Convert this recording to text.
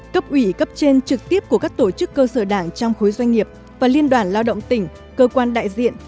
cấp ủy cấp trên trực tiếp của các tổ chức cơ sở đảng trong khối doanh nghiệp và liên đoàn lao động tỉnh cơ quan đại diện